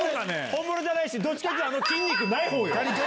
本物じゃないしどっちかっていうと。